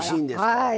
はい。